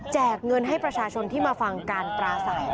เงินให้ประชาชนที่มาฟังการปราศัย